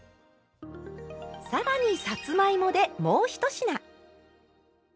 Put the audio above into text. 更にさつまいもでもう１品！